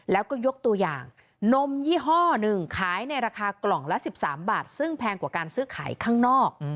แล้วก็ยกตัวอย่างนมยี่ห้อหนึ่งขายในราคากล่องละ๑๓บาทซึ่งแพงกว่าการซื้อขายข้างนอก